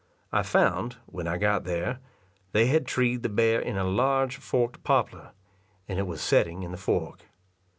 I found, when I got there, they had treed the bear in a large forked poplar, and it was setting in the fork.